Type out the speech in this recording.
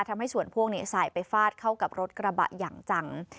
ทำให้ส่วนพ่วงใส่ไปฟาดเข้ากับรถกระบะอย่างจัง